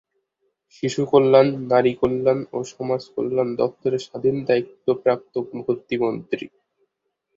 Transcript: শিশু কল্যাণ, নারী কল্যাণ ও সমাজ কল্যাণ দফতরের স্বাধীন দায়িত্বপ্রাপ্ত প্রতিমন্ত্রী।